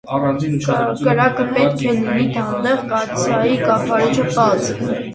Կրակը պետք է լինի դանդաղ, կաթսայի կափարիչը՝ բաց։